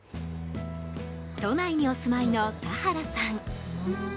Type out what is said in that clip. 都内にお住まいの太原さん。